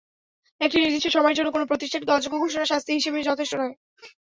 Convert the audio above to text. একটি নির্দিষ্ট সময়ের জন্য কোনো প্রতিষ্ঠানকে অযোগ্য ঘোষণা শাস্তি হিসেবে যথেষ্ট নয়।